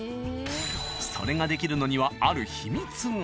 それができるのにはある秘密が。